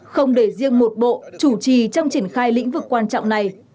không để riêng một bộ chủ trì trong triển khai lĩnh vực quan trọng này